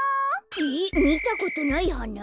えっみたことないはな？